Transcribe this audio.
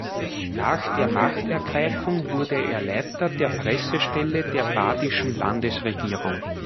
Nach der „Machtergreifung“ wurde er Leiter der Pressestelle der badischen Landesregierung.